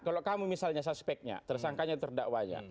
kalau kamu misalnya suspeknya tersangkanya terdakwanya